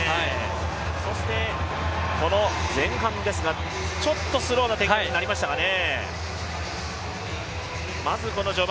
そして前半ですが、ちょっとスローな展開になりましたかね。